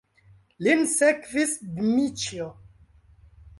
Lin sekvis Dmiĉjo.